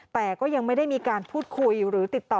แต่ก็ยังไม่ได้มีการพูดคุยหรือติดต่อ